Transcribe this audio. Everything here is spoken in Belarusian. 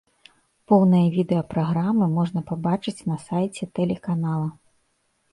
Поўнае відэа праграмы можна пабачыць на сайце тэлеканала.